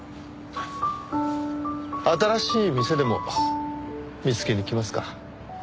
新しい店でも見つけに行きますか？